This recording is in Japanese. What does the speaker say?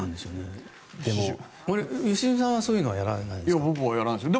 良純さんは、そういうのはやられないんですか？